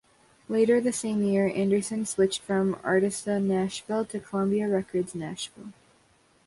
Later the same year, Anderson switched from Arista Nashville to Columbia Records Nashville.